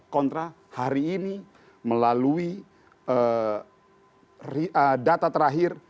kontra hari ini melalui data terakhir